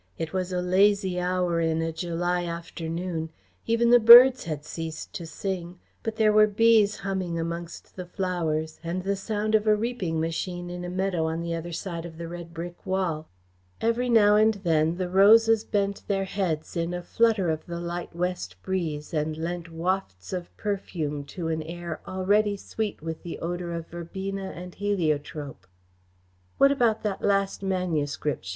It was a lazy hour in a July afternoon. Even the birds had ceased to sing, but there were bees humming amongst the flowers and the sound of a reaping machine in a meadow on the other side of the red brick wall. Every now and then the roses bent their heads in a flutter of the light west breeze and lent wafts of perfume to an air already sweet with the odour of verbena and heliotrope. "What about that last manuscript?"